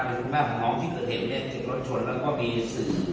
คุณแม่ของน้องที่เกิดเห็นที่ผู้โชคชนแล้วก็มีในสื่อ